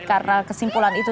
karena kesimpulan itu